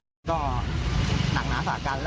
มันก็เลยกลายเป็นว่าเหมือนกับยกพวกมาตีกัน